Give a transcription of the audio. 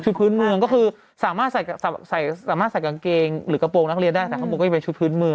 พื้นเมืองก็คือสามารถใส่กางเกงหรือกระโปรงนักเรียนได้แต่ข้างบนก็จะเป็นชุดพื้นเมือง